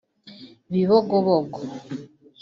Bibogobogo